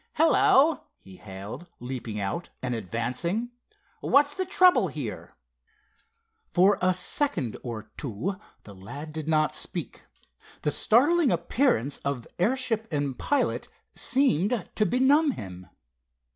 "Hello!" he hailed, leaping out, and advancing. "What's the trouble here?" For a second or two the lad did not speak. The startling appearance of airship and pilot seemed to benumb him.